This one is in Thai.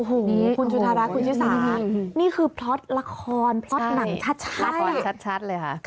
โอ้โหคุณชุธาระคุณชิสานี่คือเพราะละครเพราะหนังชัดละครชัดเลยค่ะ